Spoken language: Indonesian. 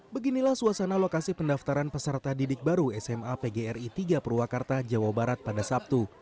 beginilah suasana lokasi pendaftaran peserta didik baru sma pgri tiga purwakarta jawa barat pada sabtu